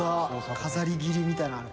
飾り切りみたいなのある。